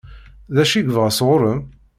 D acu i yebɣa sɣur-m?